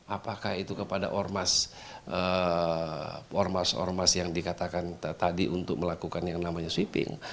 apakah itu kepada ormas ormas yang dikatakan tadi untuk melakukan yang namanya sweeping